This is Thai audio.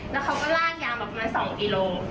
แล้วเขาก็รากยางแบบมา๒กิโล